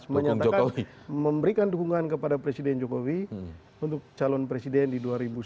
menyatakan memberikan dukungan kepada presiden jokowi untuk calon presiden di dua ribu sembilan belas